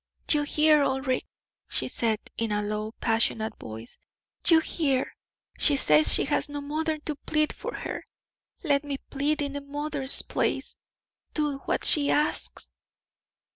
"You hear, Ulric!" she said, in a low, passionate voice; "you hear! She says she has no mother to plead for her! Let me plead in the mother's place! Do what she asks!"